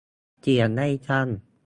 เขียนให้สั้น